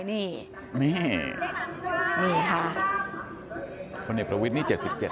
คนเด็กประวิทย์นี้๗๗ค่ะ